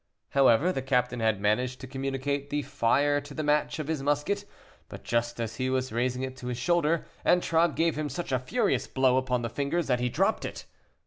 However, the captain had managed to communicate the fire to the match of his musket, but just as he was raising it to his shoulder, Antragues gave him such a furious blow upon the fingers that he dropped it.